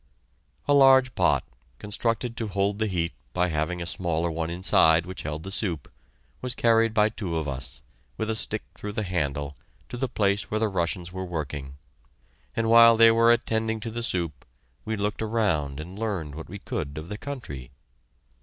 A large pot, constructed to hold the heat by having a smaller one inside which held the soup, was carried by two of us, with a stick through the handle, to the place where the Russians were working, and while they were attending to the soup, we looked around and learned what we could of the country.